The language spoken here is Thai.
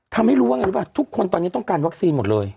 ทำให้รู้ว่าไงรู้ป่ะทุกคนตอนนี้ต้องการวัคซีนหมดเลย